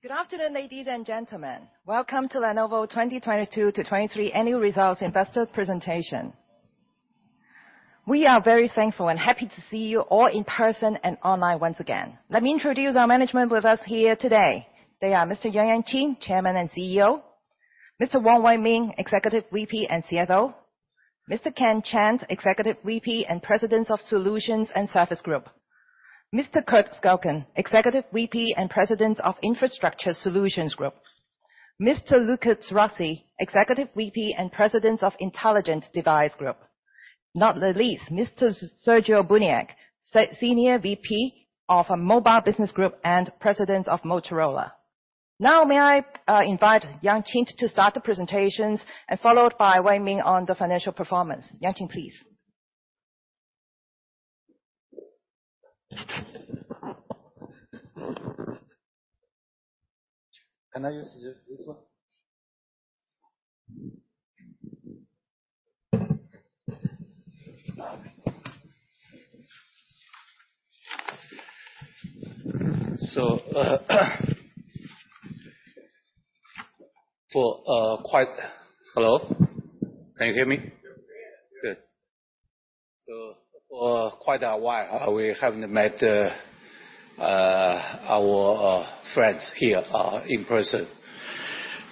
Good afternoon, ladies and gentlemen. Welcome to Lenovo 2022 to 2023 annual results investor presentation. We are very thankful and happy to see you all in person and online once again. Let me introduce our management with us here today. They are Mr. Yang Yuanqing, Chairman and CEO. Mr. Wong Wai Ming, Executive VP and CFO. Mr. Ken Wong, Executive VP and President of Solutions and Services Group. Mr. Kirk Skaugen, Executive VP and President of Infrastructure Solutions Group. Mr. Luca Rossi, Executive VP and President of Intelligent Devices Group. Not the least, Mr. Sergio Buniac, Senior VP of Mobile Business Group and President of Motorola. May I invite Yang Qing to start the presentations and followed by Wei Ming on the financial performance. Yang Qing, please. Can I use this one? Hello? Can you hear me? Yes, we can. Good. For quite a while, we haven't met our friends here in person.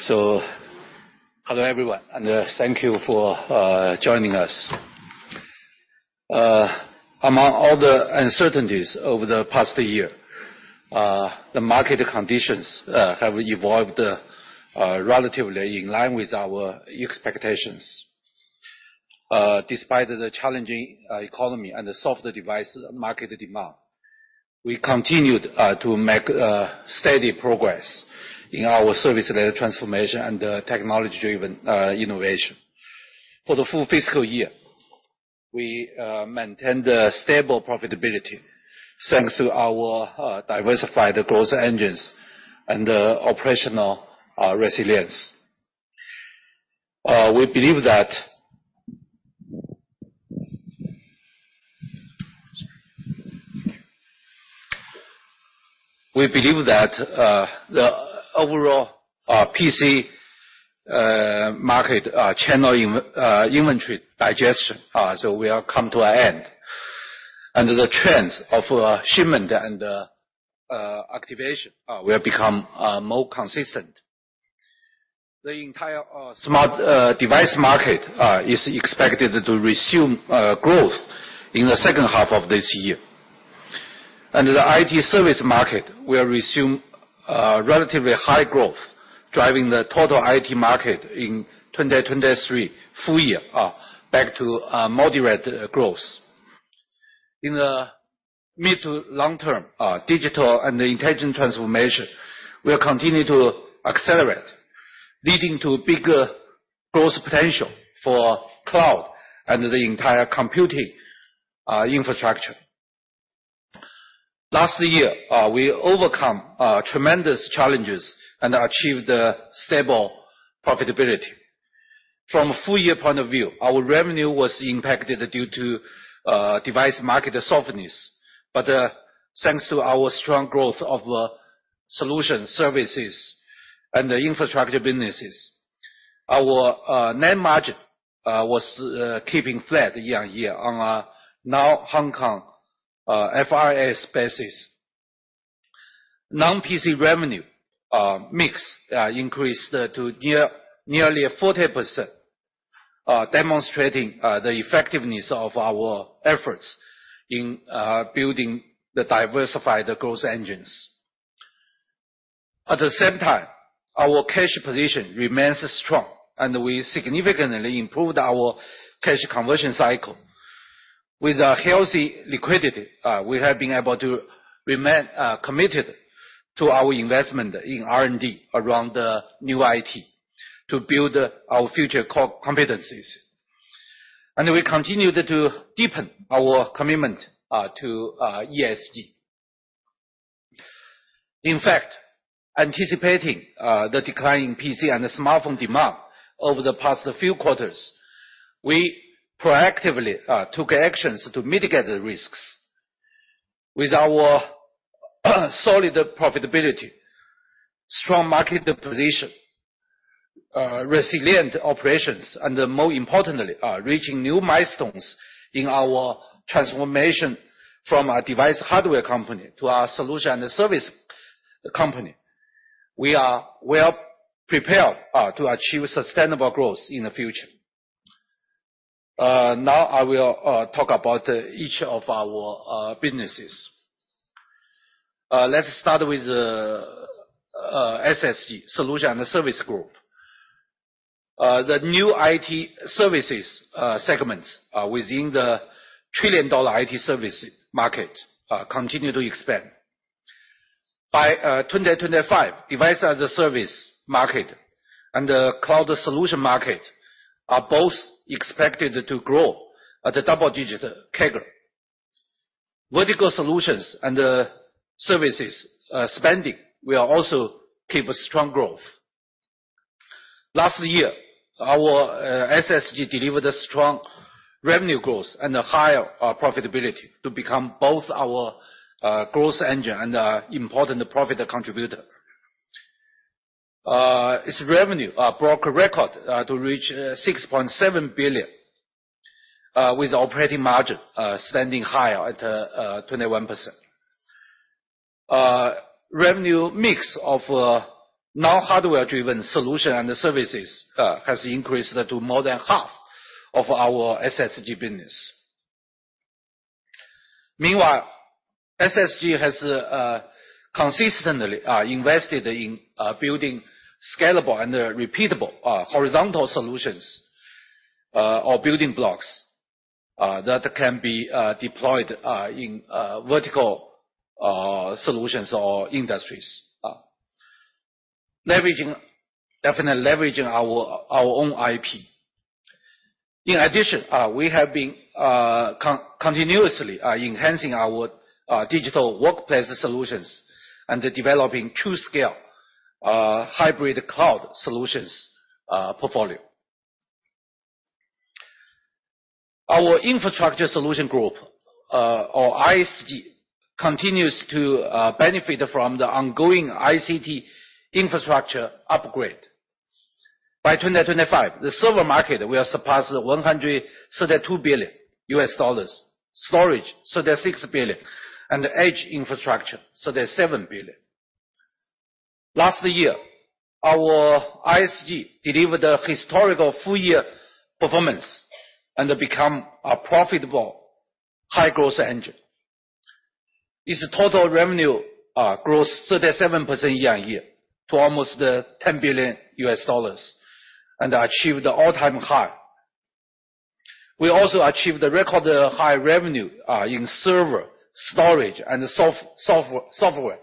Hello, everyone, and thank you for joining us. Among all the uncertainties over the past year, the market conditions have evolved relatively in line with our expectations. Despite the challenging economy and the softer device market demand, we continued to make steady progress in our service-related transformation and technology-driven innovation. For the full fiscal year, we maintained a stable profitability, thanks to our diversified growth engines and operational resilience. We believe that, the overall PC market channel in-inventory digestion so will come to an end. Under the trends of shipment and activation will become more consistent. The entire smart device market is expected to resume growth in the second half of this year. The IT service market will resume relatively high growth, driving the total IT market in 2023 full year back to moderate growth. In the mid to long term, digital and intelligent transformation will continue to accelerate, leading to bigger growth potential for cloud and the entire computing infrastructure. Last year, we overcome tremendous challenges and achieved a stable profitability. From a full year point of view, our revenue was impacted due to device market softness. Thanks to our strong growth of solution services and the infrastructure businesses, our net margin was keeping flat year-on-year on a now Hong Kong FRS basis. Non-PC revenue mix increased to nearly 40%, demonstrating the effectiveness of our efforts in building the diversified growth engines. At the same time, our cash position remains strong and we significantly improved our cash conversion cycle. With a healthy liquidity, we have been able to remain committed to our investment in R&D around the new IT to build our future core competencies. We continued to deepen our commitment to ESG. In fact, anticipating the decline in PC and smartphone demand over the past few quarters, we proactively took actions to mitigate the risks with our solid profitability, strong market position, resilient operations, and more importantly, reaching new milestones in our transformation from a device hardware company to a solution and service company. We are well prepared to achieve sustainable growth in the future. Now I will talk about each of our businesses. Let's start with SSG, Solutions and Services Group. The new IT services segments within the trillion-dollar IT service market continue to expand. By 2025, Device as a Service market and the cloud solution market are both expected to grow at a double-digit CAGR. Vertical solutions and services spending will also keep a strong growth. Last year, our SSG delivered a strong revenue growth and a higher profitability to become both our growth engine and important profit contributor. Its revenue broke a record to reach $6.7 billion with operating margin standing higher at 21%. Revenue mix of now hardware-driven solution and services has increased to more than half of our SSG business. Meanwhile, SSG has consistently invested in building scalable and repeatable horizontal solutions or building blocks that can be deployed in vertical solutions or industries. Definitely leveraging our own IP. In addition, we have been continuously enhancing our digital workplace solutions and developing TruScale hybrid cloud solutions portfolio. Our Infrastructure Solutions Group, or ISG, continues to benefit from the ongoing ICT infrastructure upgrade. By 2025, the server market will surpass $132 billion, storage $36 billion, and edge infrastructure $37 billion. Last year, our ISG delivered a historical full-year performance, and become a profitable high-growth engine. Its total revenue grew 37% year-on-year to almost $10 billion and achieved all-time high. We also achieved the record high revenue in server, storage, and software,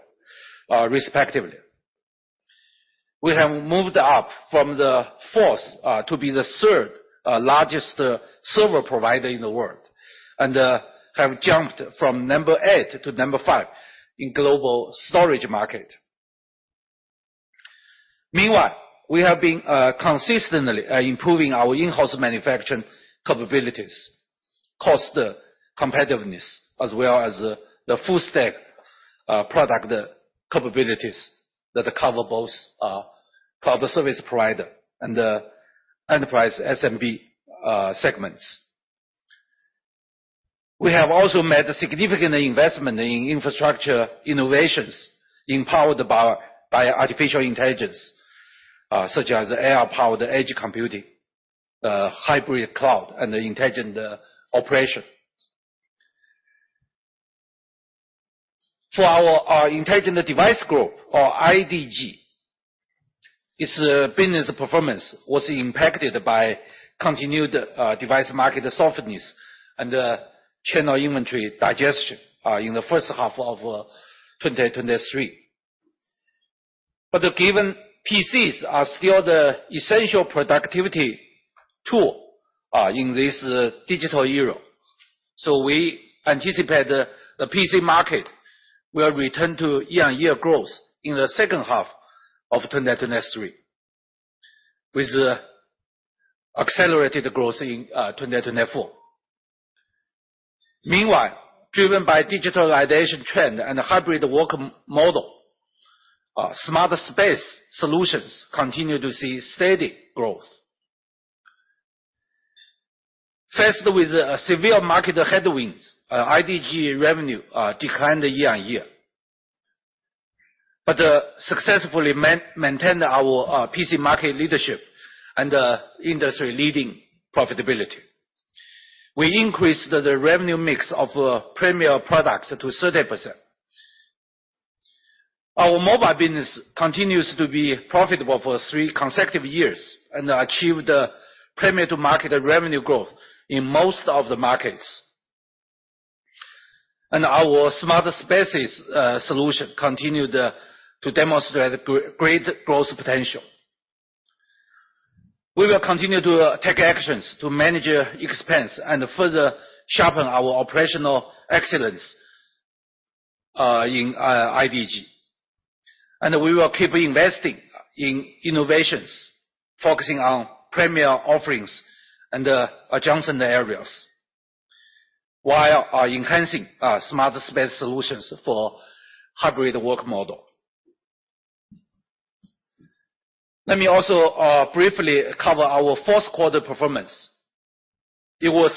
respectively. We have moved up from the fourth to be the third largest server provider in the world, and have jumped from 8 to 5 in global storage market. Meanwhile, we have been consistently improving our in-house manufacturing capabilities, cost competitiveness, as well as the full stack product capabilities that cover both Cloud Service Provider and the Enterprise SMB segments. We have also made a significant investment in infrastructure innovations empowered by artificial intelligence, such as AI-powered edge computing, hybrid cloud, and intelligent operation. For our Intelligent Devices Group, or IDG, its business performance was impacted by continued device market softness and channel inventory digestion in the first half of 2023. Given PCs are still the essential productivity tool, in this digital era, so we anticipate the PC market will return to year-on-year growth in the second half of 2023, with accelerated growth in 2024. Meanwhile, driven by digitalization trend and hybrid work model, smart space solutions continue to see steady growth. Faced with severe market headwinds, IDG revenue declined year-on-year. Successfully maintained our PC market leadership and industry-leading profitability. We increased the revenue mix of premier products to 30%. Our mobile business continues to be profitable for three consecutive years and achieved the premier to market revenue growth in most of the markets. Our smarter spaces solution continued to demonstrate great growth potential. We will continue to take actions to manage expense and further sharpen our operational excellence in IDG. We will keep investing in innovations, focusing on premier offerings and adjacent areas, while enhancing our smarter space solutions for hybrid work model. Let me also briefly cover our fourth quarter performance. It was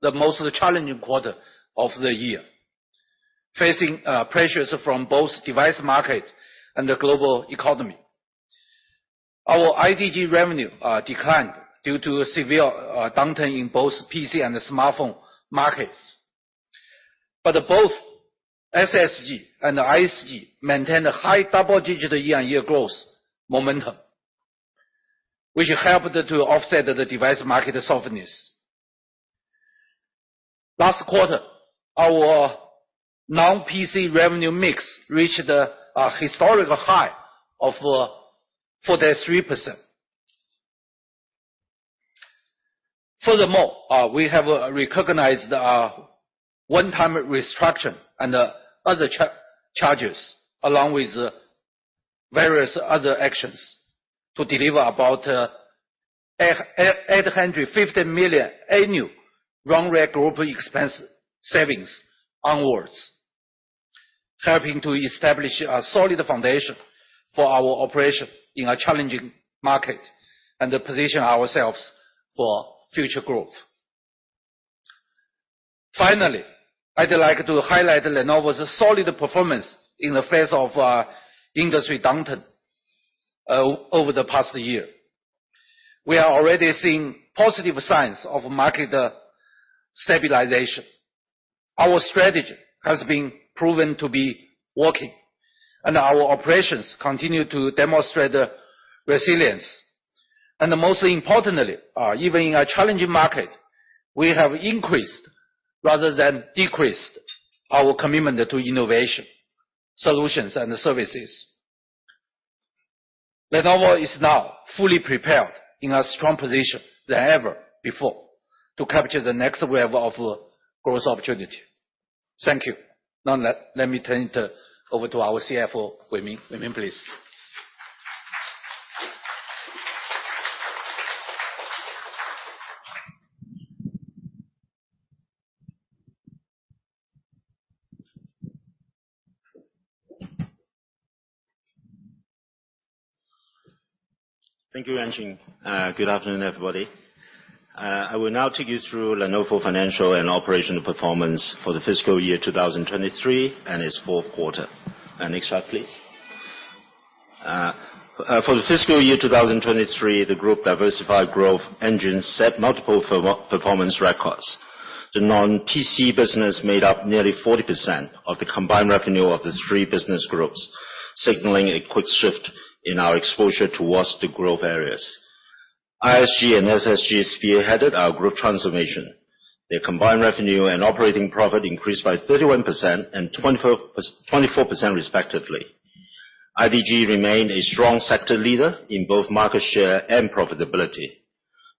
the most challenging quarter of the year, facing pressures from both device market and the global economy. Our IDG revenue declined due to a severe downturn in both PC and smartphone markets. Both SSG and ISG maintained a high double-digit year-on-year growth momentum, which helped to offset the device market softness. Last quarter, our non-PC revenue mix reached a historical high of 43%. We have recognized our one-time restructure and other charges, along with various other actions to deliver about $850 million annual run rate group expense savings onwards. Helping to establish a solid foundation for our operation in a challenging market, and to position ourselves for future growth. Finally, I'd like to highlight Lenovo's solid performance in the face of industry downturn over the past year. We are already seeing positive signs of market stabilization. Our strategy has been proven to be working, our operations continue to demonstrate resilience. Most importantly, even in a challenging market, we have increased rather than decreased our commitment to innovation, solutions, and services. Lenovo is now fully prepared in a strong position than ever before to capture the next wave of growth opportunity. Thank you. Now let me turn it over to our CFO, Weiming. Weiming, please. Thank you, Jenny Lai. Good afternoon, everybody. I will now take you through Lenovo Group financial and operational performance for the fiscal year 2023, and its fourth quarter. Next slide, please. For the fiscal year 2023, the group diversified growth engine set multiple performance records. The non-PC business made up nearly 40% of the combined revenue of the three business groups, signaling a quick shift in our exposure towards the growth areas. ISG and SSG spearheaded our group transformation. Their combined revenue and operating profit increased by 31% and 24% respectively. IDG remain a strong sector leader in both market share and profitability.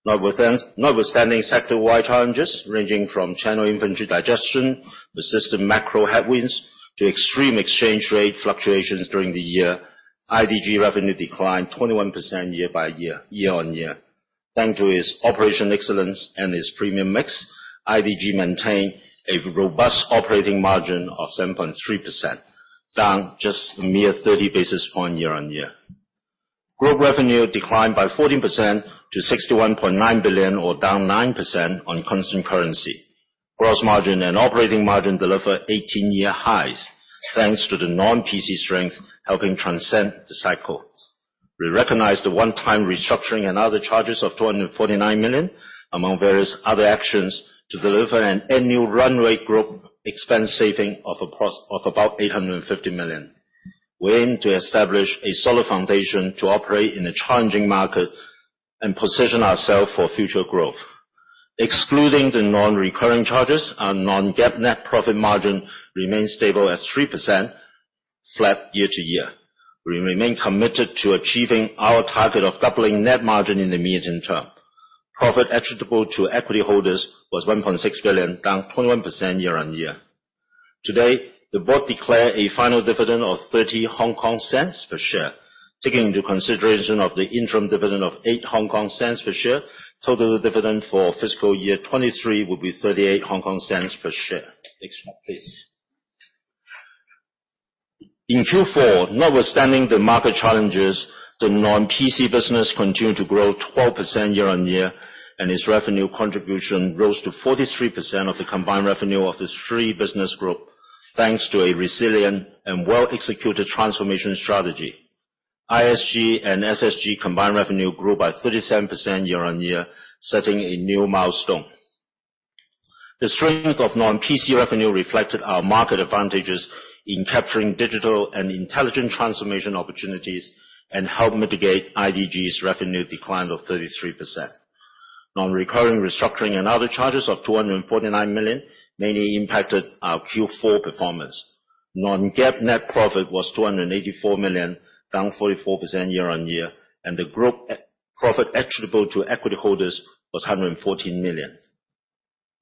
Notwithstanding sector-wide challenges, ranging from channel inventory digestion, persistent macro headwinds, to extreme exchange rate fluctuations during the year, IDG revenue declined 21% year by year on year. Thanks to its operation excellence and its premium mix, IDG maintained a robust operating margin of 7.3%, down just a mere 30 basis point year-on-year. Group revenue declined by 14% to $61.9 billion or down 9% on constant currency. Gross margin and operating margin delivered 18-year highs, thanks to the non-PC strength helping transcend the cycles. We recognize the one-time restructuring and other charges of $249 million, among various other actions to deliver an annual run rate group expense saving of about $850 million. We aim to establish a solid foundation to operate in a challenging market and position ourselves for future growth. Excluding the non-recurring charges, our non-GAAP net profit margin remains stable at 3%, flat year-to-year. We remain committed to achieving our target of doubling net margin in the medium term. Profit attributable to equity holders was $1.6 billion, down 21% year-on-year. Today, the board declare a final dividend of 30 Hong Kong cents per share. Taking into consideration of the interim dividend of 8 Hong Kong cents per share, total dividend for fiscal year 2023 will be 38 Hong Kong cents per share. Next slide, please. In Q4, notwithstanding the market challenges, the non-PC business continued to grow 12% year-on-year, and its revenue contribution rose to 43% of the combined revenue of the three business group, thanks to a resilient and well-executed transformation strategy. ISG and SSG combined revenue grew by 37% year-on-year, setting a new milestone. The strength of non-PC revenue reflected our market advantages in capturing digital and intelligent transformation opportunities, and helped mitigate IDG's revenue decline of 33%. Non-recurring restructuring and other charges of $249 million mainly impacted our Q4 performance. Non-GAAP net profit was $284 million, down 44% year-on-year, and the group profit attributable to equity holders was $114 million.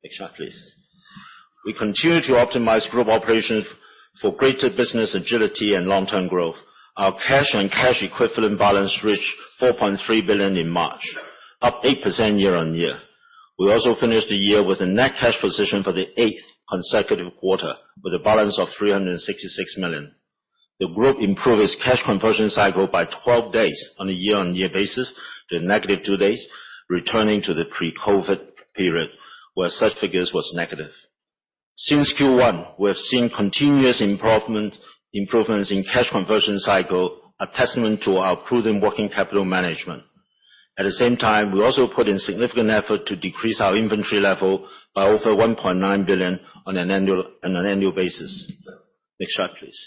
Next slide, please. We continue to optimize group operations for greater business agility and long-term growth. Our cash and cash equivalent balance reached $4.3 billion in March, up 8% year-on-year. We also finished the year with a net cash position for the eighth consecutive quarter, with a balance of $366 million. The group improved its cash conversion cycle by 12 days on a year-on-year basis to negative 2 days, returning to the pre-COVID period, where such figures was negative. Since Q1, we have seen continuous improvements in cash conversion cycle, a testament to our improving working capital management. At the same time, we also put in significant effort to decrease our inventory level by over $1.9 billion on an annual basis. Next slide, please.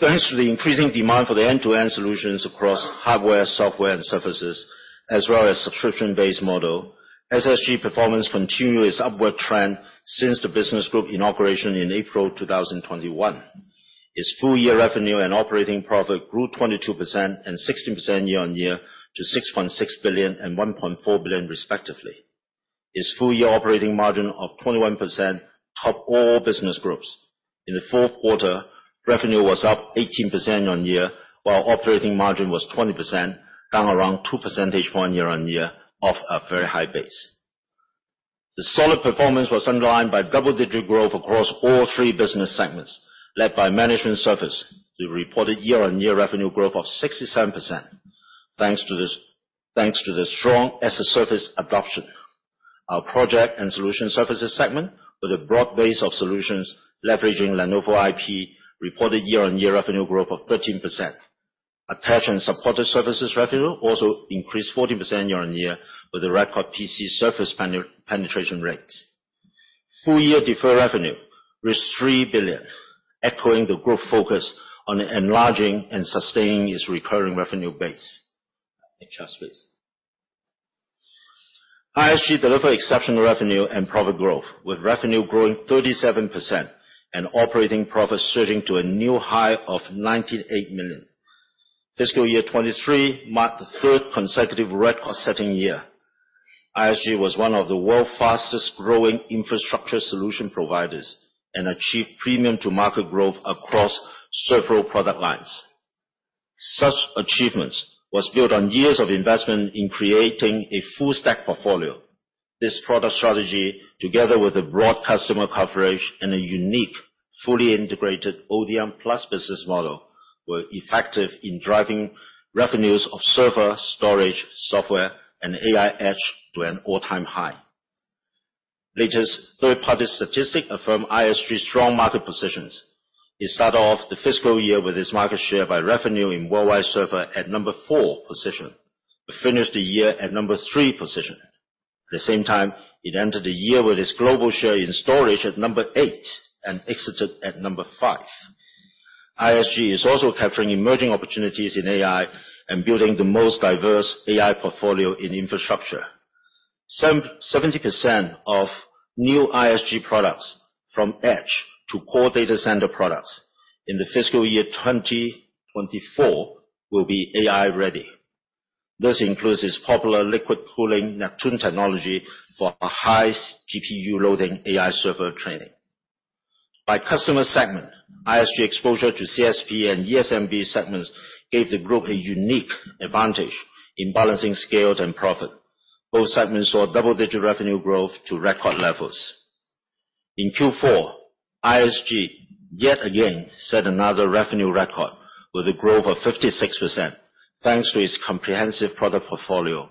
Thanks to the increasing demand for the end-to-end solutions across hardware, software, and services, as well as subscription-based model, SSG performance continued its upward trend since the business group inauguration in April 2021. Its full year revenue and operating profit grew 22% and 16% year-on-year to $6.6 billion and $1.4 billion respectively. Its full year operating margin of 21% topped all business groups. In the fourth quarter, revenue was up 18% year-on-year, while operating margin was 20%, down around 2 percentage point year-on-year off a very high base. The solid performance was underlined by double-digit growth across all three business segments, led by management service. We reported year-on-year revenue growth of 67%. Thanks to the strong as-a-service adoption. Our project and solution services segment, with a broad base of solutions leveraging Lenovo IP, reported year-on-year revenue growth of 13%. Attach and supporter services revenue also increased 14% year-on-year with the record PC service penetration rates. Full year deferred revenue reached $3 billion, echoing the growth focus on enlarging and sustaining its recurring revenue base. Next slide, please. ISG delivered exceptional revenue and profit growth, with revenue growing 37% and operating profit surging to a new high of $98 million. Fiscal year 2023 marked the third consecutive record-setting year. ISG was one of the world's fastest-growing infrastructure solution providers and achieved premium to market growth across several product lines. Such achievements was built on years of investment in creating a full stack portfolio. This product strategy, together with a broad customer coverage and a unique, fully integrated ODM Plus business model, were effective in driving revenues of server, storage, software, and AI edge to an all-time high. Latest third-party statistics affirm ISG's strong market positions. It started off the fiscal year with its market share by revenue in worldwide server at number four position. It finished the year at number three position. At the same time, it entered the year with its global share in storage at 8 and exited at 5. ISG is also capturing emerging opportunities in AI and building the most diverse AI portfolio in infrastructure. 70% of new ISG products from edge to core data center products in the fiscal year 2024 will be AI-ready. This includes its popular liquid cooling Neptune technology for a high CPU loading AI server training. By customer segment, ISG exposure to CSP and ESMB segments gave the group a unique advantage in balancing scales and profit. Both segments saw double-digit revenue growth to record levels. In Q4, ISG yet again set another revenue record with a growth of 56%, thanks to its comprehensive product portfolio,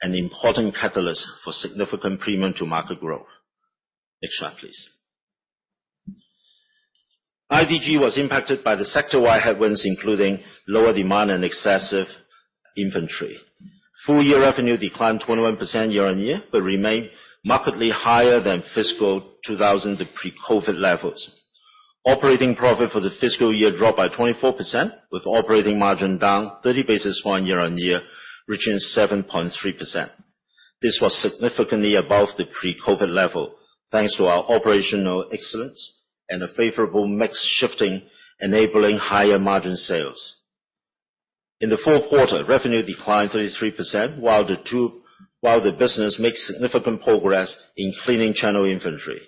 an important catalyst for significant premium to market growth. Next slide, please. IDG was impacted by the sector-wide headwinds, including lower demand and excessive inventory. Full year revenue declined 21% year-on-year, but remained markedly higher than fiscal 2000, the pre-COVID levels. Operating profit for the fiscal year dropped by 24%, with operating margin down 30 basis points year-on-year, reaching 7.3%. This was significantly above the pre-COVID level, thanks to our operational excellence and a favorable mix shifting, enabling higher margin sales. In the fourth quarter, revenue declined 33%, while the business made significant progress in cleaning channel inventory.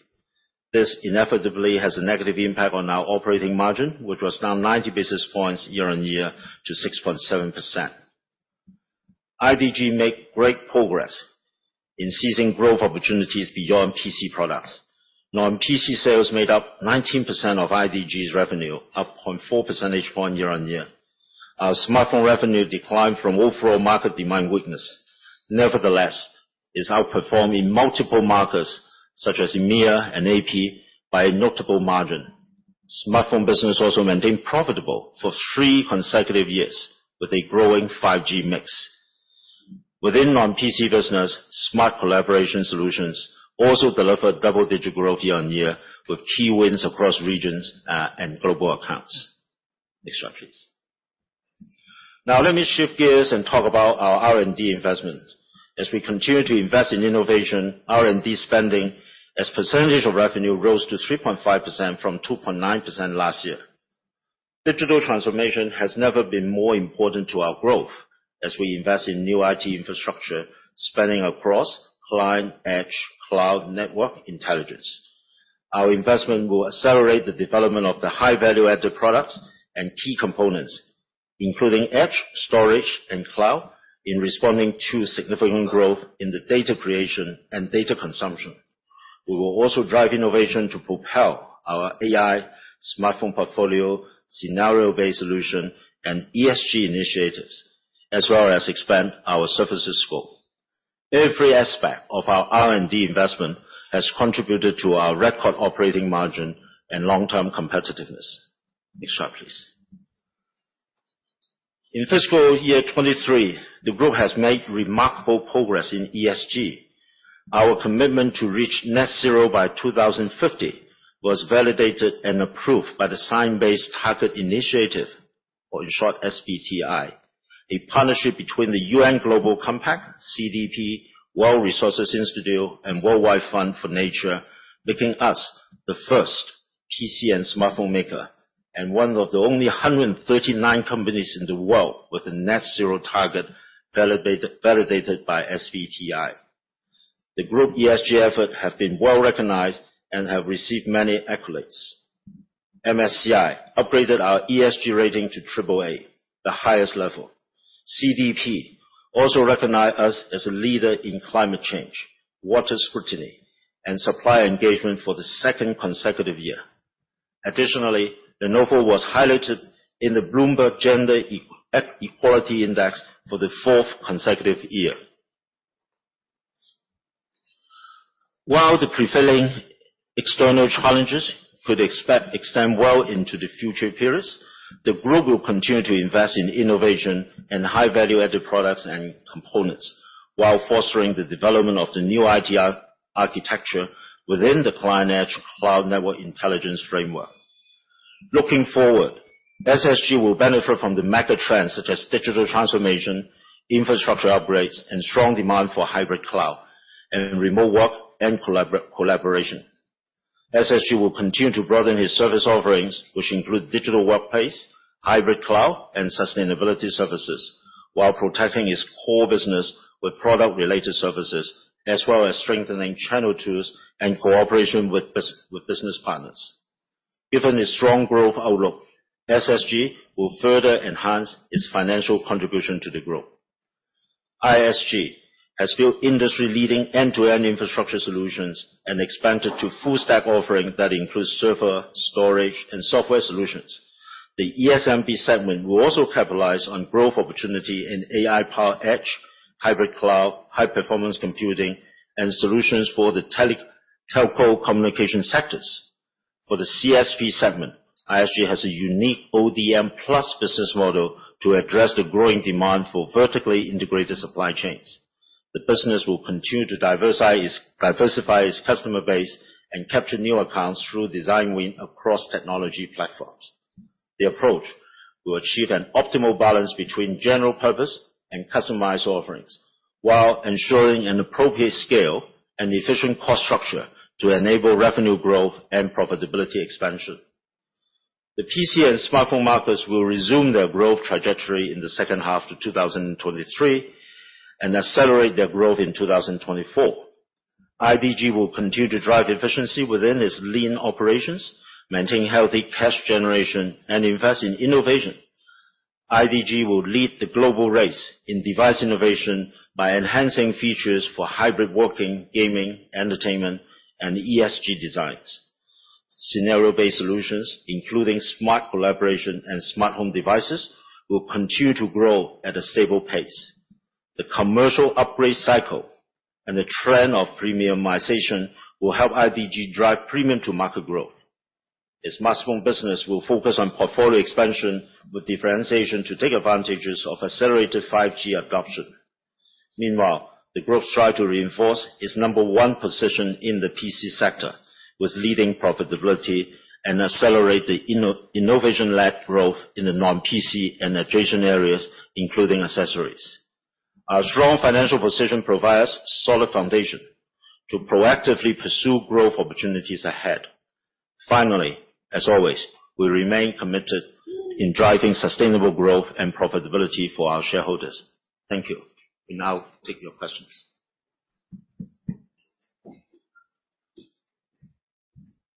This inevitably has a negative impact on our operating margin, which was down 90 basis points year-on-year to 6.7%. IDG made great progress in seizing growth opportunities beyond PC products. Non-PC sales made up 19% of IDG's revenue, up 0.4 percentage point year-on-year. Our smartphone revenue declined from overall market demand weakness. Nevertheless, it's outperformed in multiple markets, such as EMEA and AP, by a notable margin. Smartphone business also maintained profitable for 3 consecutive years with a growing 5G mix. Within non-PC business, smart collaboration solutions also delivered double-digit growth year-on-year with key wins across regions and global accounts. Next slide, please. Let me shift gears and talk about our R&D investment. As we continue to invest in innovation, R&D spending as percentage of revenue rose to 3.5% from 2.9% last year. Digital transformation has never been more important to our growth as we invest in new IT infrastructure spanning across client, edge, cloud, network, intelligence. Our investment will accelerate the development of the high value-added products and key components, including edge, storage, and cloud, in responding to significant growth in the data creation and data consumption. We will also drive innovation to propel our AI smartphone portfolio, scenario-based solution, and ESG initiatives, as well as expand our services scope. Every aspect of our R&D investment has contributed to our record operating margin and long-term competitiveness. Next slide, please. In fiscal year 2023, the group has made remarkable progress in ESG. Our commitment to reach net zero by 2050 was validated and approved by the Science Based Targets initiative. In short, SBTI, a partnership between the United Nations Global Compact, CDP, World Resources Institute, and World Wide Fund for Nature, making us the first PC and smartphone maker and one of the only 139 companies in the world with a net zero target validated by SBTI. The group ESG effort have been well-recognized and have received many accolades. MSCI upgraded our ESG rating to AAA, the highest level. CDP also recognized us as a leader in climate change, water scrutiny, and supplier engagement for the second consecutive year. Additionally, Lenovo was highlighted in the Bloomberg Gender-Equality Index for the fourth consecutive year. While the prevailing external challenges could extend well into the future periods, the group will continue to invest in innovation and high value-added products and components while fostering the development of the new IDR architecture within the client edge cloud network intelligence framework. Looking forward, SSG will benefit from the mega trends such as digital transformation, infrastructure upgrades, and strong demand for hybrid cloud and remote work and collaboration. SSG will continue to broaden its service offerings, which include digital workplace, hybrid cloud, and sustainability services, while protecting its core business with product-related services, as well as strengthening channel tools and cooperation with business partners. Given its strong growth outlook, SSG will further enhance its financial contribution to the group. ISG has built industry-leading end-to-end infrastructure solutions and expanded to full stack offering that includes server, storage, and software solutions. The ESMB segment will also capitalize on growth opportunity in AI-powered edge, hybrid cloud, high-performance computing, and solutions for the telco communication sectors. The CSP segment, ISG has a unique ODM Plus business model to address the growing demand for vertically integrated supply chains. The business will continue to diversify its customer base and capture new accounts through design win across technology platforms. The approach will achieve an optimal balance between general purpose and customized offerings while ensuring an appropriate scale and efficient cost structure to enable revenue growth and profitability expansion. The PC and smartphone markets will resume their growth trajectory in the second half to 2023 and accelerate their growth in 2024. IDG will continue to drive efficiency within its lean operations, maintain healthy cash generation, and invest in innovation. IDG will lead the global race in device innovation by enhancing features for hybrid working, gaming, entertainment, and ESG designs. Scenario-based solutions, including smart collaboration and smart home devices, will continue to grow at a stable pace. The commercial upgrade cycle and the trend of premiumization will help IDG drive premium to market growth. Its smartphone business will focus on portfolio expansion with differentiation to take advantages of accelerated 5G adoption. The group strive to reinforce its number 1 position in the PC sector with leading profitability and accelerate the innovation-led growth in the non-PC and adjacent areas, including accessories. Our strong financial position provide us solid foundation to proactively pursue growth opportunities ahead. As always, we remain committed in driving sustainable growth and profitability for our shareholders. Thank you. We now take your questions.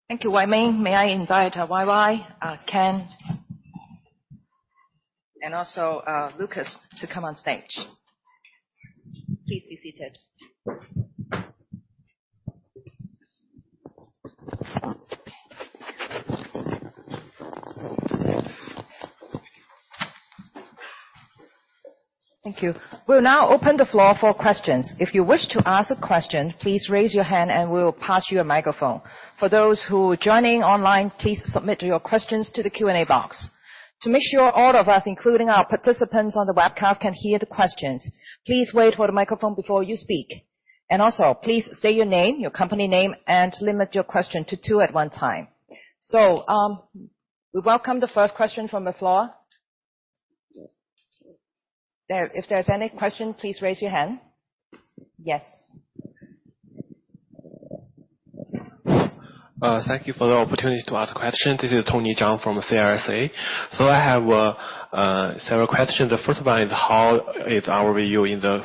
Thank you, Wai Ming. May I invite YY, Ken, and also Luca Rossi to come on stage. Please be seated. Thank you. We'll now open the floor for questions. If you wish to ask a question, please raise your hand and we will pass you a microphone. For those who are joining online, please submit your questions to the Q&A box. To make sure all of us, including our participants on the webcast, can hear the questions, please wait for the microphone before you speak. Also, please state your name, your company name, and limit your question to two at one time. We welcome the first question from the floor. If there's any question, please raise your hand. Yes. Thank you for the opportunity to ask questions. This is Tony Zhang from CLSA. I have several questions. The first one is how is our review in the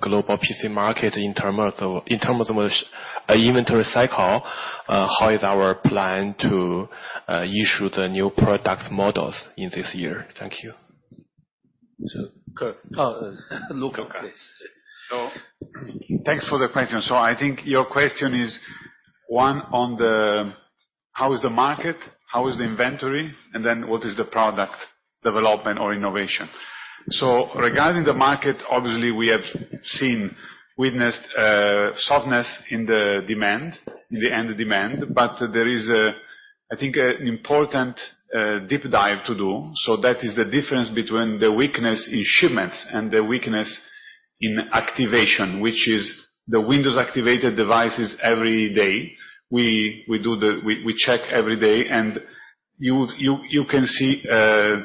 global PC market in terms of inventory cycle? How is our plan to issue the new product models in this year? Thank you. Kirk. Oh, Luca. Lucas. Thanks for the question. I think your question is, one, on the how is the market? How is the inventory? What is the product development or innovation? Regarding the market, obviously, we have seen, witnessed softness in the demand, in the end demand. There is a, I think, an important deep dive to do. That is the difference between the weakness in shipments and the weakness in In activation, which is the Windows activated devices every day. We check every day, and you can see a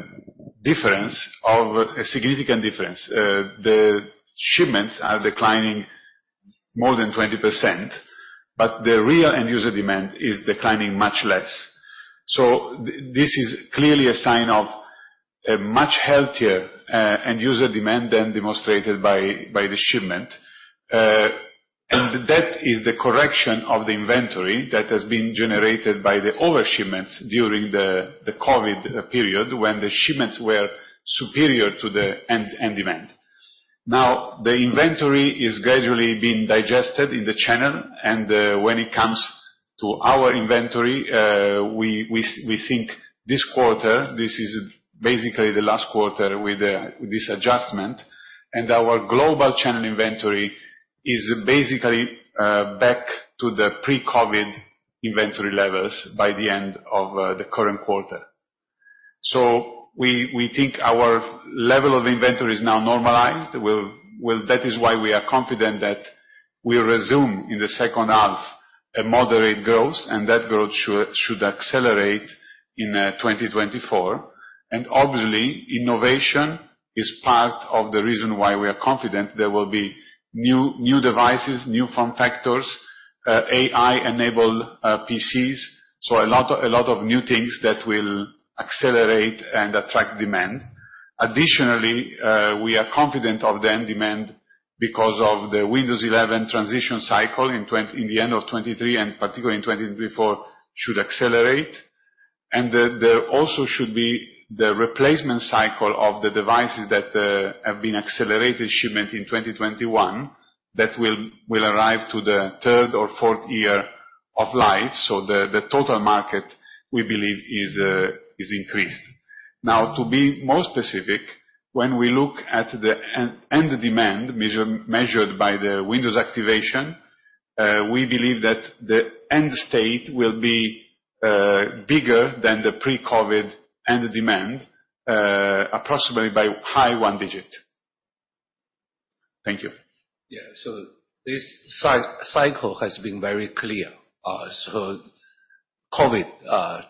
difference. A significant difference. The shipments are declining more than 20%, but the real end user demand is declining much less. This is clearly a sign of a much healthier end user demand than demonstrated by the shipment. That is the correction of the inventory that has been generated by the over-shipments during the COVID period, when the shipments were superior to the end demand. The inventory is gradually being digested in the channel, when it comes to our inventory, we think this quarter, this is basically the last quarter with this adjustment, our global channel inventory is basically back to the pre-COVID inventory levels by the end of the current quarter. We think our level of inventory is now normalized. That is why we are confident that we'll resume in the second half a moderate growth, that growth should accelerate in 2024. Obviously, innovation is part of the reason why we are confident there will be new devices, new form factors, AI-enabled PCs. A lot of new things that will accelerate and attract demand. Additionally, we are confident of the end demand because of the Windows 11 transition cycle in the end of 2023, and particularly in 2024, should accelerate. There also should be the replacement cycle of the devices that have been accelerated shipment in 2021 that will arrive to the third or fourth year of life. The total market, we believe, is increased. Now, to be more specific, when we look at the end demand measured by the Windows activation, we believe that the end state will be bigger than the pre-COVID end demand, approximately by high one digit. Thank you. Yeah. This cycle has been very clear. COVID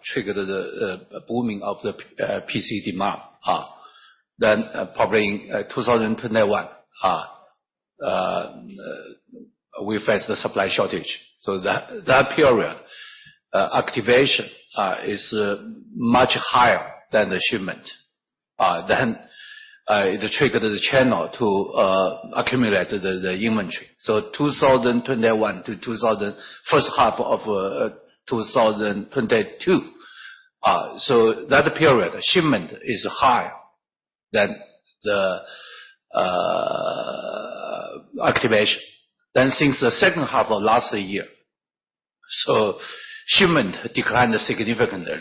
triggered the booming of the PC demand. Probably in 2021, we faced a supply shortage. That period, activation is much higher than the shipment. It triggered the channel to accumulate the inventory. 2021 to first half of 2022. That period, shipment is higher than the activation. Since the second half of last year, shipment declined significantly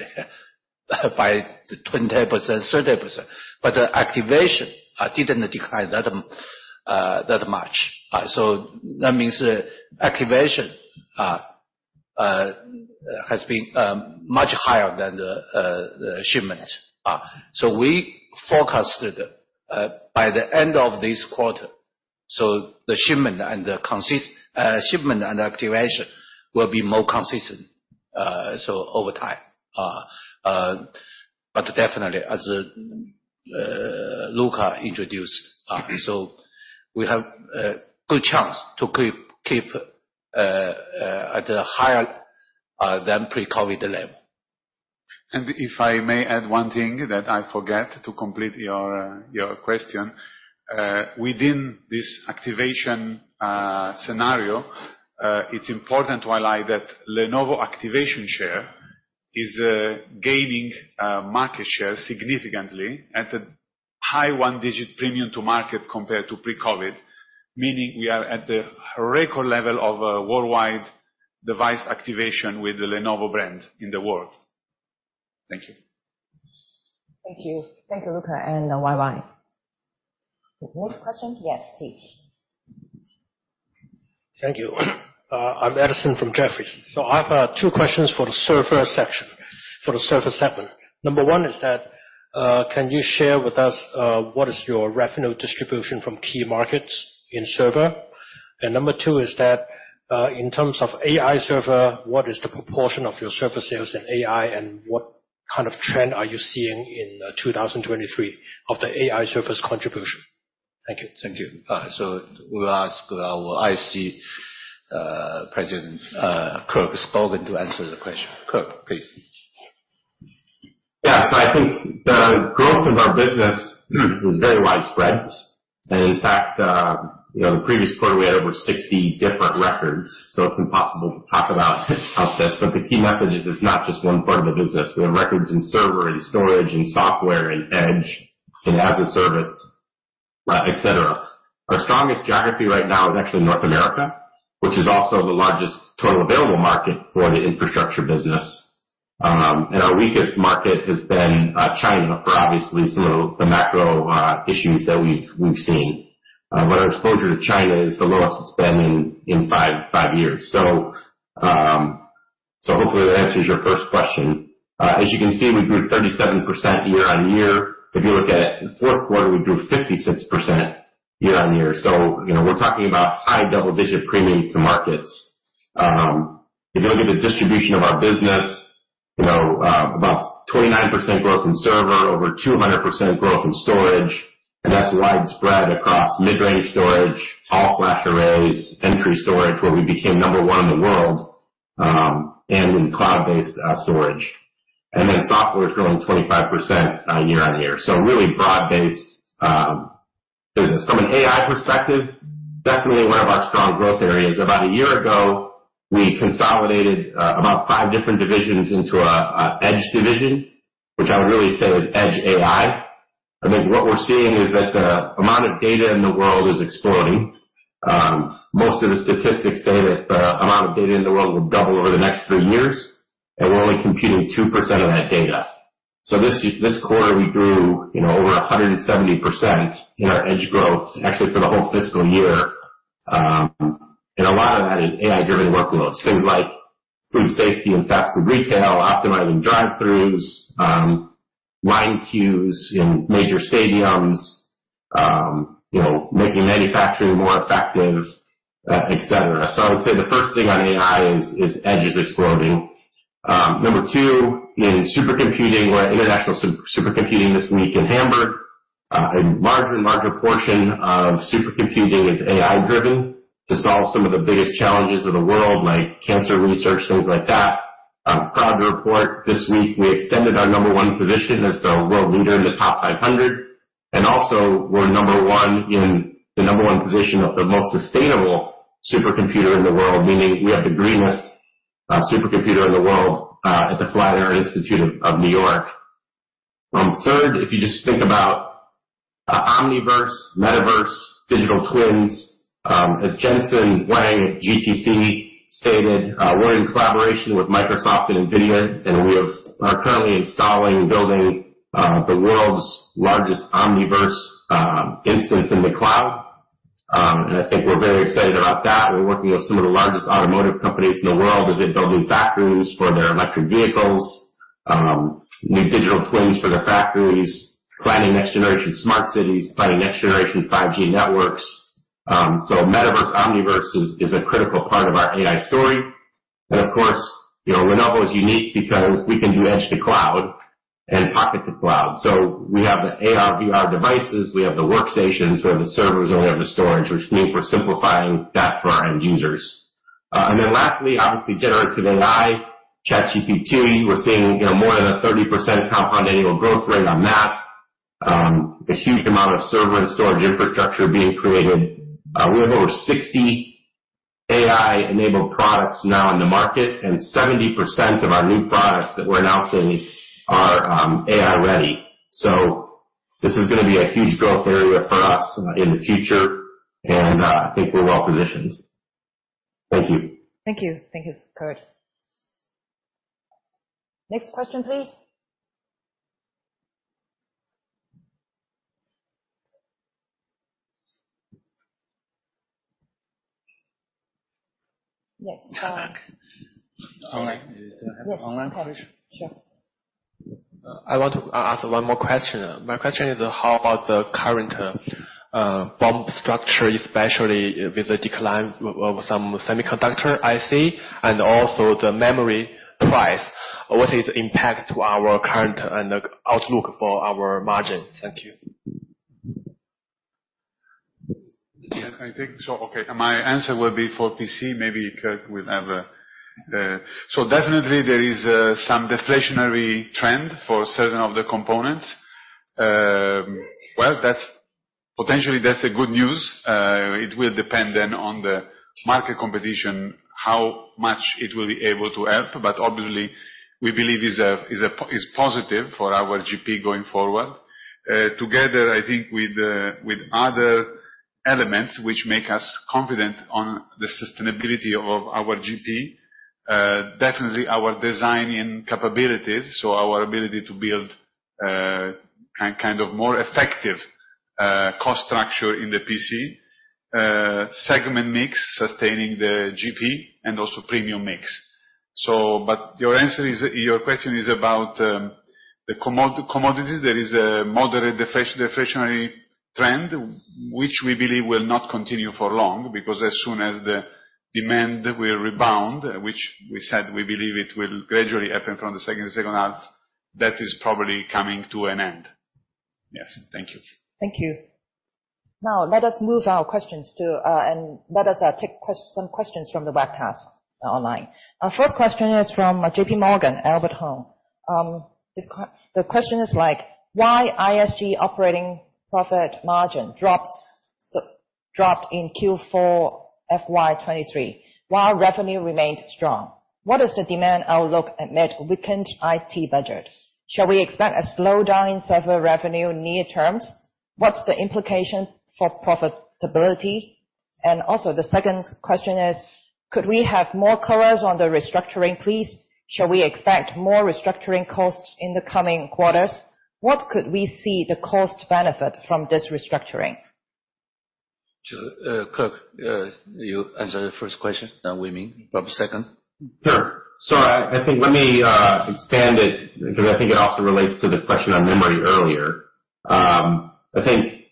by 20%, 30%, but the activation didn't decline that much. That means that activation has been much higher than the shipment. We forecasted, by the end of this quarter, the shipment and activation will be more consistent over time. Definitely as Luca introduced, we have a good chance to keep at a higher than pre-COVID level. If I may add one thing that I forget to complete your question. Within this activation scenario, it's important to highlight that Lenovo activation share is gaining market share significantly at a high one-digit premium to market compared to pre-COVID. Meaning, we are at the record level of a worldwide device activation with the Lenovo brand in the world. Thank you. Thank you. Thank you, Luca and Huaiyi. Next question. Yes, please. Thank you. I'm Edison from Jefferies. I've two questions for the server section. For the server segment. Number one is that, can you share with us, what is your revenue distribution from key markets in server? Number two is that, in terms of AI server, what is the proportion of your server sales in AI, and what kind of trend are you seeing in 2023 of the AI servers contribution? Thank you. Thank you. We'll ask our ISG President, Kirk Skaugen, to answer the question. Kirk, please. Yeah. I think the growth of our business is very widespread. In fact, you know, in the previous quarter, we had over 60 different records, so it's impossible to talk about how it fits. The key message is it's not just one part of the business. We have records in server, in storage, in software, in edge, and as a service, et cetera. Our strongest geography right now is actually North America, which is also the largest total available market for the infrastructure business. Our weakest market has been, China for obviously some of the macro issues that we've seen. Our exposure to China is the lowest it's been in 5 years. Hopefully that answers your first question. As you can see, we grew 37% year-on-year. If you look at the fourth quarter, we grew 56% year-on-year. You know, we're talking about high double-digit premium to markets. If you look at the distribution of our business, you know, about 29% growth in server, over 200% growth in storage, and that's widespread across mid-range storage, all flash arrays, entry storage, where we became number one in the world, and in cloud-based storage. Software is growing 25% year-on-year. Really broad-based business. From an AI perspective, definitely one of our strong growth areas. About a year ago, we consolidated about five different divisions into an edge division, which I would really say is edge AI. I think what we're seeing is that the amount of data in the world is exploding. Most of the statistics say that the amount of data in the world will double over the next three years, and we're only computing 2% of that data. This quarter, we grew, you know, over 170% in our edge growth, actually for the whole fiscal year, and a lot of that is AI-driven workloads. Things like food safety and faster retail, optimizing drive-throughs, line queues in major stadiums, you know, making manufacturing more effective, et cetera. I would say the first thing on AI is edge is exploding. Number two, in supercomputing, we're at ISC High Performance this week in Hamburg. A larger and larger portion of supercomputing is AI-driven to solve some of the biggest challenges of the world, like cancer research, things like that. I'm proud to report this week we extended our number one position as the world leader in the TOP500. Also we're number one in the number one position of the most sustainable supercomputer in the world, meaning we have the greenest supercomputer in the world at the Flatiron Institute of New York. Third, if you just think about Omniverse, metaverse, digital twins, as Jensen Huang at GTC stated, we're in collaboration with Microsoft and NVIDIA, and we are currently installing and building the world's largest Omniverse instance in the cloud. I think we're very excited about that. We're working with some of the largest automotive companies in the world as they build new factories for their electric vehicles, new digital twins for their factories, planning next-generation smart cities, planning next-generation 5G networks. Metaverse Omniverse is a critical part of our AI story. Of course, you know, Lenovo is unique because we can do edge to cloud and pocket to cloud. We have the AR/VR devices, we have the workstations, we have the servers, and we have the storage, which means we're simplifying that for our end users. Lastly, obviously, generative AI, ChatGPT, we're seeing, you know, more than a 30% compound annual growth rate on that. A huge amount of server and storage infrastructure being created. We have over 60 AI-enabled products now in the market, and 70% of our new products that we're announcing are AI-ready. This is gonna be a huge growth area for us in the future, and I think we're well positioned. Thank you. Thank you. Thank you, Kurt. Next question, please. Yes. Online. Online. Sure. I want to ask one more question. My question is, how about the current BOM structure, especially with the decline of some semiconductor IC and also the memory price? What is impact to our current and outlook for our margin? Thank you. Yeah, I think. Okay, my answer will be for PC. Maybe Kirk will have a. Definitely there is some deflationary trend for certain of the components. Well, that's potentially that's a good news. It will depend then on the market competition, how much it will be able to help. Obviously, we believe is positive for our GP going forward. Together, I think, with other elements which make us confident on the sustainability of our GP, definitely our design and capabilities. Our ability to build kind of more effective cost structure in the PC segment mix, sustaining the GP and also premium mix. Your question is about the commodities. There is a moderate deflationary trend, which we believe will not continue for long, because as soon as the demand will rebound, which we said we believe it will gradually happen from the second half, that is probably coming to an end. Yes. Thank you. Thank you. Now, let us move our questions to, and let us take some questions from the webcast, online. Our first question is from JP Morgan, Albert Hung. The question is like, why ISG operating profit margin dropped in Q4 FY2023 while revenue remained strong? What is the demand outlook amid weakened IT budget? Shall we expect a slowdown in several revenue near terms? What's the implication for profitability? The second question is, could we have more colors on the restructuring, please? Shall we expect more restructuring costs in the coming quarters? What could we see the cost benefit from this restructuring? Kirk, you answer the first question, then Wai Ming, probably second. Sure. I think let me expand it because I think it also relates to the question on memory earlier. I think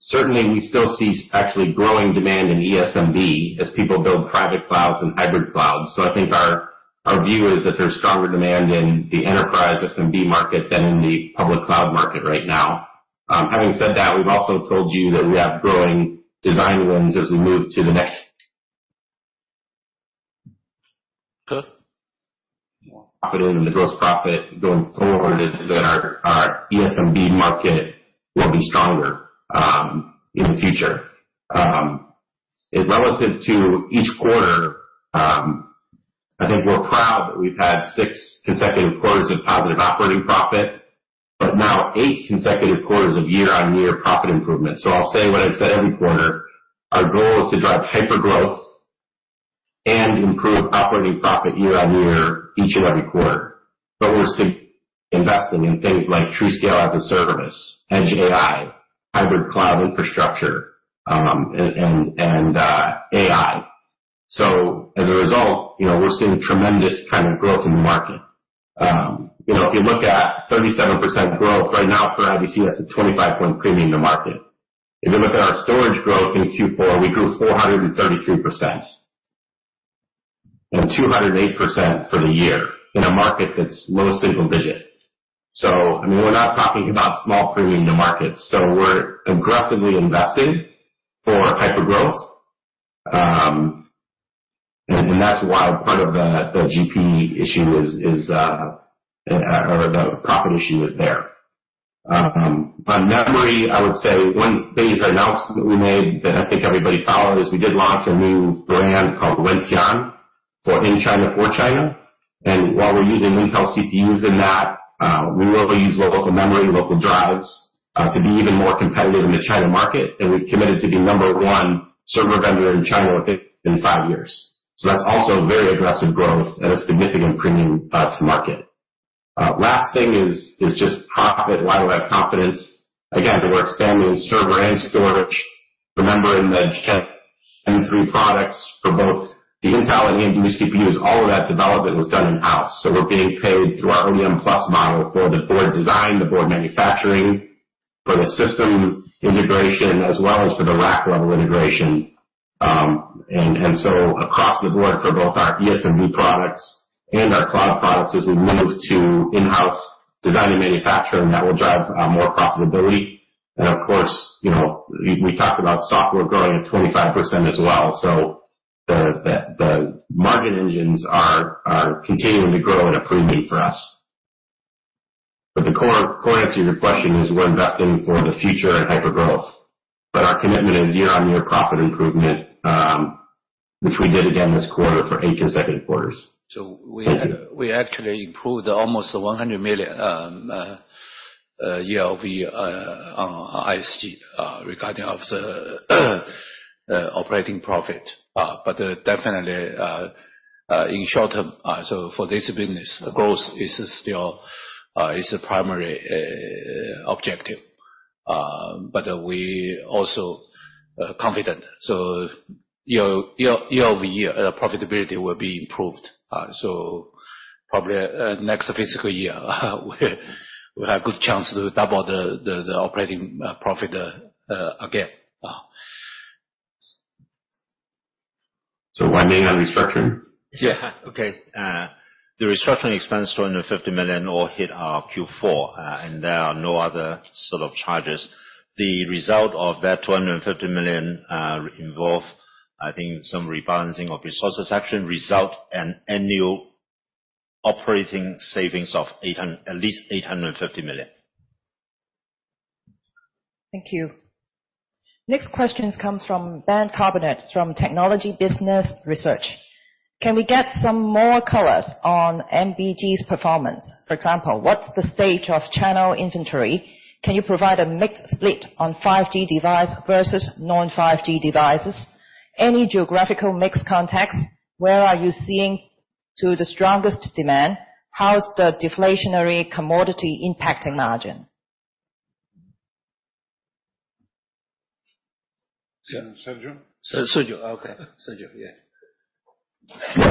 certainly we still see actually growing demand in ESMB as people build private clouds and hybrid clouds. I think our view is that there's stronger demand in the enterprise SMB market than in the public cloud market right now. Having said that, we've also told you that we have growing design wins as we move to the next Kirk? Profit and the gross profit going forward is that our ESMB market will be stronger in the future. Relative to each quarter, I think we're proud that we've had six consecutive quarters of positive operating profit, but now eight consecutive quarters of year-on-year profit improvement. I'll say what I've said every quarter, our goal is to drive hypergrowth and improve operating profit year-on-year, each and every quarter. We're investing in things like TruScale as-a-service, Edge AI, hybrid cloud infrastructure, and AI. As a result, you know, we're seeing tremendous kind of growth in the market. You know, if you look at 37% growth right now for IDC, that's a 25 point premium to market. If you look at our storage growth in Q4, we grew 433% and 208% for the year in a market that's low single-digit. I mean, we're not talking about small premium to market, so we're aggressively investing for hypergrowth. That's why part of the GP issue is, or the profit issue is there. On memory, I would say one thing is announcement that we made that I think everybody follows. We did launch a new brand called Wentian for in China, for China. While we're using Intel CPUs in that, we will use local memory and local drives to be even more competitive in the China market. We've committed to be number one server vendor in China within five years. That's also very aggressive growth and a significant premium to market. Last thing is just profit. Why do I have confidence? Again, that we're expanding in server and storage. Remember in the Gen M3 products for both the Intel and AMD CPUs, all of that development was done in-house. We're being paid through our ODM Plus model for the board design, the board manufacturing, for the system integration, as well as for the rack-level integration. Across the board for both our ESMB products and our cloud products, as we move to in-house design and manufacturing, that will drive more profitability. Of course, you know, we talked about software growing at 25% as well. The market engines are continuing to grow and improving for us. The core answer to your question is we're investing for the future and hypergrowth, but our commitment is year-on-year profit improvement, which we did again this quarter for eight consecutive quarters. So we- Thank you. We actually improved almost $100 million year-over-year on ISG regarding of the operating profit. Definitely, in short term, for this business, growth is still a primary objective. We also confident. Year-over-year profitability will be improved. Probably, next fiscal year, we have good chance to double the operating profit again. When they have restructuring. Okay. The restructuring expense $250 million all hit our Q4, and there are no other sort of charges. The result of that $250 million, involve, I think some rebalancing of resources actually result in annual operating savings of at least $850 million. Thank you. Next questions comes from Ben Carbonette, from Technology Business Research. Can we get some more colors on MBG's performance? For example, what's the stage of channel inventory? Can you provide a mixed split on 5G device versus non-5G devices? Any geographical mixed context? Where are you seeing to the strongest demand? How is the deflationary commodity impacting margin? Yeah. Sergio. Okay. Sergio, yeah.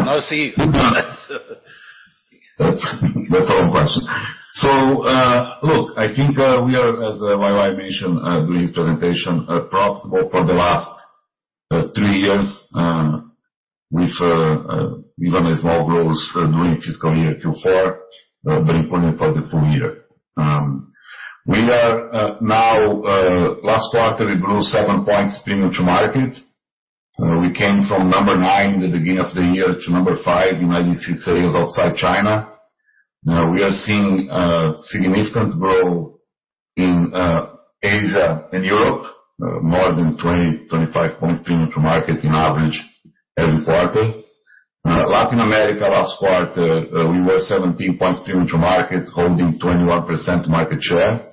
Now, see. That's our question. Look, I think we are, as Weiwei mentioned, during his presentation, profitable for the last three years, with even a small growth during fiscal year Q4, but important for the full year. We are now last quarter, we grew seven points premium to market. We came from number nine in the beginning of the year to number five in IDC sales outside China. We are seeing significant growth in Asia and Europe, more than 20-25 points premium to market in average every quarter. Latin America, last quarter, we were 17 points premium to market, holding 21% market share.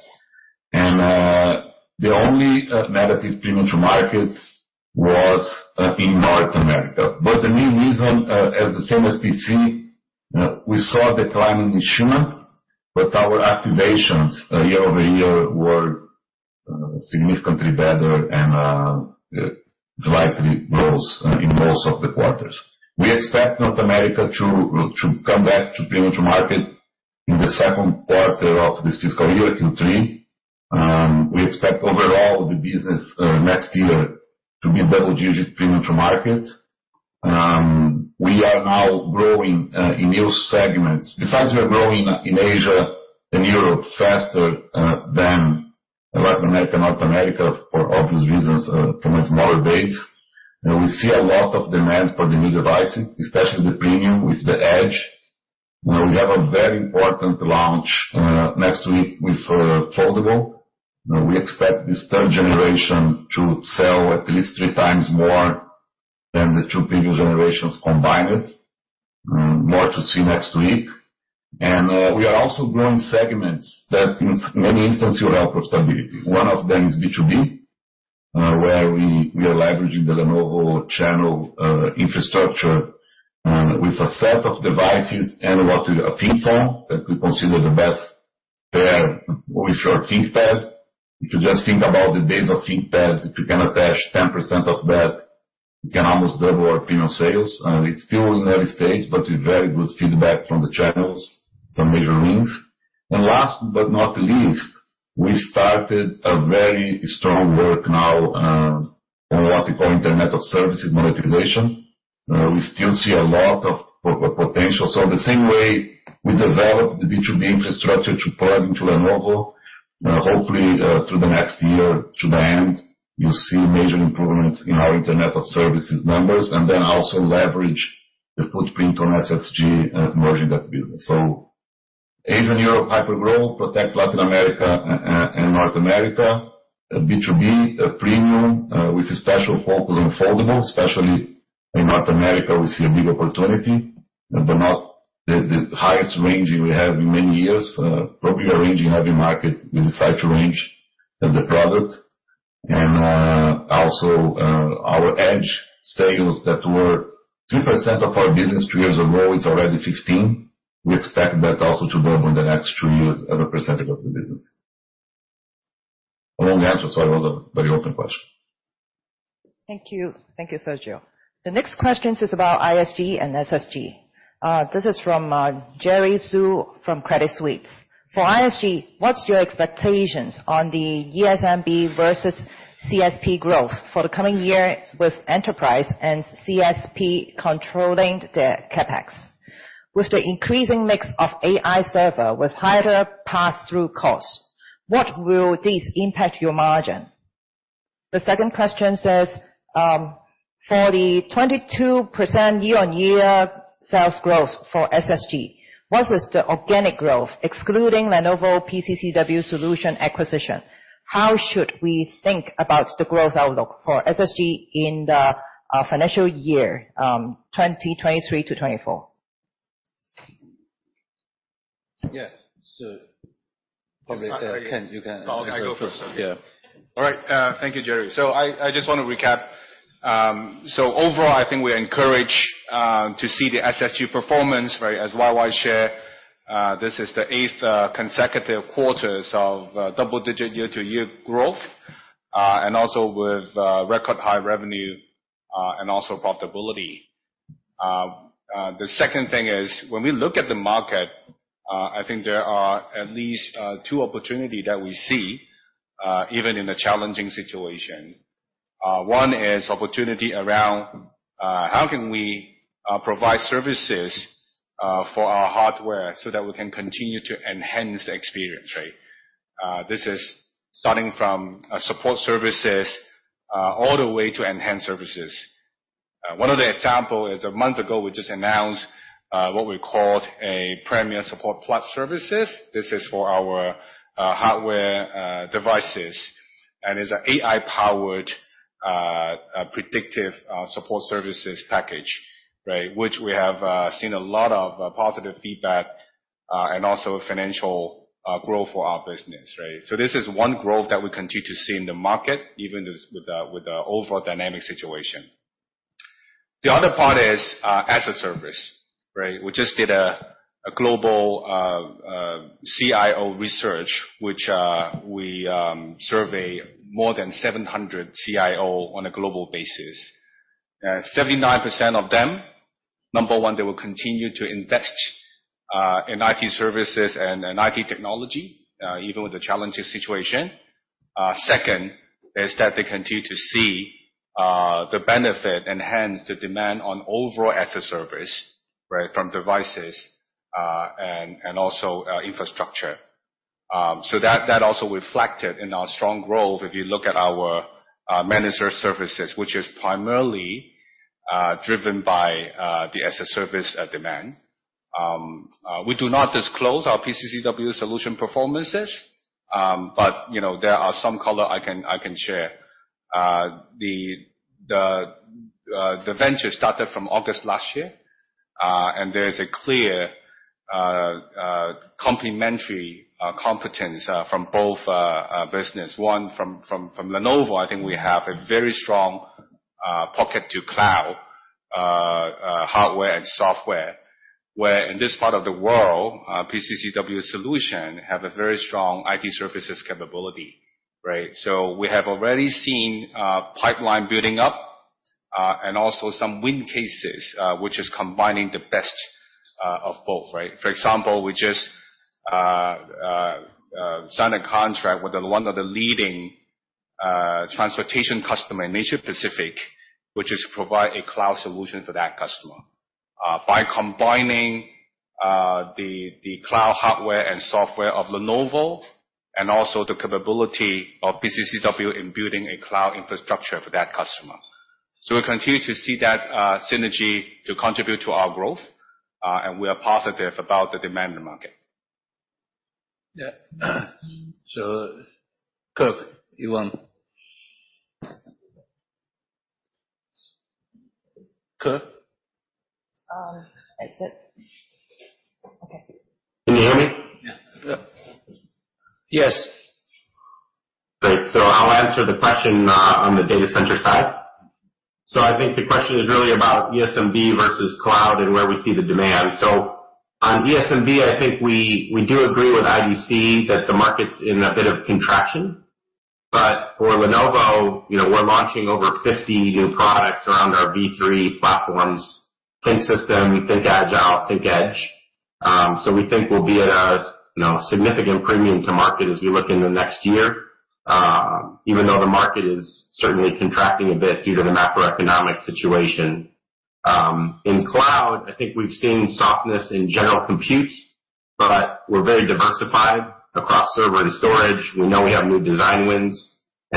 The only negative premium to market was in North America. The main reason, as the same as PC, we saw a decline in shipmentBut our activations year-over-year were significantly better and slightly grows in most of the quarters. We expect North America to come back to premium to market in the second quarter of this fiscal year, Q3. We expect overall the business next year to be double-digit premium to market. We are now growing in new segments. Besides, we are growing in Asia, in Europe faster than North America for obvious reasons, from a smaller base. We see a lot of demand for the new devices, especially the premium with the Edge. We have a very important launch next week with foldable. We expect this third generation to sell at least three times more than the two previous generations combined. More to see next week. We are also growing segments that in many instances will help stability. One of them is B2B, where we are leveraging the Lenovo channel infrastructure, with a set of devices analog to a ThinkPhone that we consider the best pair with your ThinkPad. If you just think about the days of ThinkPads, if you can attach 10% of that, you can almost double our premium sales. It's still in early stage, but with very good feedback from the channels, some major wins. Last but not least, we started a very strong work now on what we call Internet of Services monetization. We still see a lot of potential. The same way we developed the B2B infrastructure to plug into Lenovo, hopefully, through the next year to the end, you'll see major improvements in our Internet of Services numbers, also leverage the footprint on SSG as merging that business. Asia and Europe, hyper-growth, protect Latin America and North America. B2B, a premium, with a special focus on foldable, especially in North America, we see a big opportunity. Not the highest range we have in many years. Probably a range in every market we decide to range in the product. Also, our Edge sales that were 2% of our business two years ago, it's already 15%. We expect that also to grow in the next two years as a percentage of the business. A long answer. Sorry, it was a very open question. Thank you. Thank you, Sergio. The next question is about ISG and SSG. This is from Jerry Zou from Credit Suisse. For ISG, what's your expectations on the ESMB versus CSP growth for the coming year with enterprise and CSP controlling their CapEx? With the increasing mix of AI server with higher pass-through costs, what will this impact your margin? The second question says, for the 22% year-over-year sales growth for SSG, what is the organic growth? Excluding Lenovo PCCW Solutions acquisition, how should we think about the growth outlook for SSG in the financial year 2023-2024? Yeah. probably, Ken, I'll go first. Yeah. All right. Thank you, Jerry. I just want to recap. Overall, I think we are encouraged to see the SSG performance, right? As YY shared, this is the eighth consecutive quarters of double-digit year-to-year growth, and also with record high revenue, and also profitability. The second thing is, when we look at the market, I think there are at least two opportunity that we see, even in a challenging situation. One is opportunity around how can we provide services for our hardware so that we can continue to enhance the experience, right? This is starting from support services all the way to enhanced services. One of the example is 1 month ago, we just announced what we called a Premier Support Plus services. This is for our hardware devices, and is a AI-powered predictive support services package, right? Which we have seen a lot of positive feedback, and also financial growth for our business, right? This is one growth that we continue to see in the market, even as with the overall dynamic situation. The other part is as-a-service, right? We just did a global CIO research, which we survey more than 700 CIO on a global basis. 79% of them, number one, they will continue to invest in IT services and in IT technology, even with the challenging situation. Second is that they continue to see the benefit and hence the demand on overall as-a-service right, from devices, and also infrastructure. That, that also reflected in our strong growth, if you look at our managed services, which is primarily driven by the as-a-service demand. We do not disclose our PCCW Solutions performances, but, you know, there are some color I can share. The venture started from August last year, there's a clear complementary competence from both business. One from Lenovo, I think we have a very strong- pocket to cloud, hardware and software, where in this part of the world, PCCW Solutions have a very strong IT services capability, right? We have already seen pipeline building up and also some win cases, which is combining the best of both, right? For example, we just signed a contract with the one of the leading transportation customer in Asia Pacific, which is to provide a cloud solution for that customer. By combining the cloud hardware and software of Lenovo, and also the capability of PCCW in building a cloud infrastructure for that customer. We continue to see that synergy to contribute to our growth, and we are positive about the demand in the market. Yeah. Kirk, you want... Kirk? I think. Okay. Can you hear me? Yeah. Yep. Yes. Great. I'll answer the question on the data center side. I think the question is really about ESMB versus cloud and where we see the demand. On ESMB, I think we do agree with ISG that the market's in a bit of contraction. For Lenovo, you know, we're launching over 50 new products around our V3 platforms: ThinkSystem, ThinkAgile, ThinkEdge. We think we'll be at a, you know, significant premium to market as we look in the next year, even though the market is certainly contracting a bit due to the macroeconomic situation. In cloud, I think we've seen softness in general compute, but we're very diversified across server to storage. We know we have new design wins.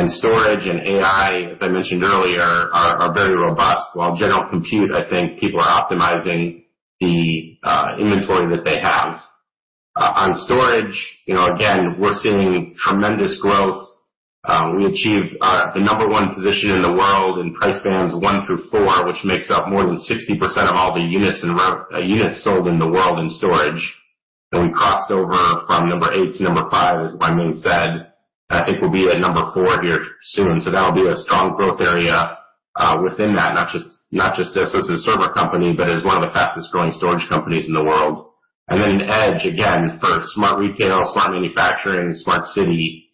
Storage and AI, as I mentioned earlier, are very robust. While general compute, I think people are optimizing the inventory that they have. On storage, you know, again, we're seeing tremendous growth. We achieved the number one position in the world in price bands one through four, which makes up more than 60% of all the units and units sold in the world in storage. We crossed over from number eight to number five, as Wai Ming said. I think we'll be at number four here soon. That'll be a strong growth area within that, not just us as a server company, but as one of the fastest-growing storage companies in the world. In Edge, again, for smart retail, smart manufacturing, smart city,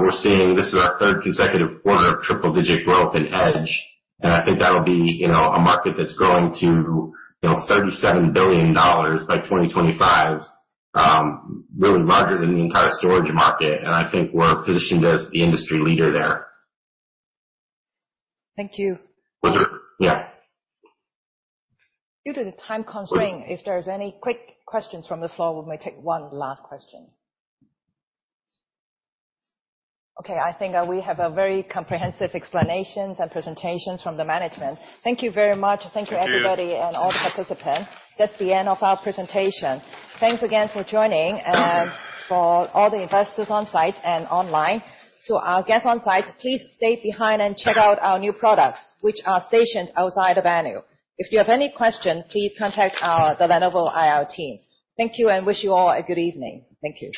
we're seeing this is our third consecutive quarter of triple-digit growth in Edge. I think that'll be, you know, a market that's growing to, you know, $37 billion by 2025, really larger than the entire storage market. I think we're positioned as the industry leader there. Thank you. Was there? Yeah. Due to the time constraint, if there's any quick questions from the floor, we may take one last question. Okay, I think, we have a very comprehensive explanations and presentations from the management. Thank you very much. Thank you. Thank you, everybody and all participants. That's the end of our presentation. Thanks again for joining and for all the investors on site and online. To our guests on site, please stay behind and check out our new products, which are stationed outside the venue. If you have any question, please contact the Lenovo IR team. Thank you, and wish you all a good evening. Thank you.